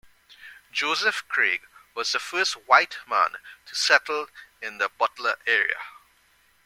Joseph Craig was the first white man to settle in the Butler area.